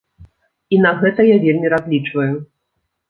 І на гэта я вельмі разлічваю.